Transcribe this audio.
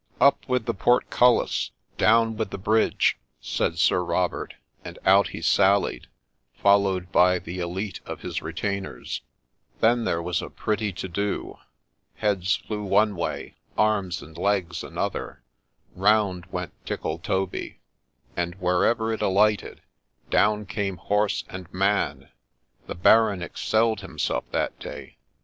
' Up with the portcullis ! down with the bridge !' said Sir Robert ; and out he sallied, followed by the elite of his retainers. Then there was a pretty to do. Heads flew one way — arms and legs another ; round went Tickletoby ; and, wherever it alighted, down came horse and man : the Baron excelled himself that day.